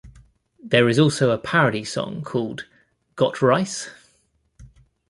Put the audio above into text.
There is also a parody song called Got Rice?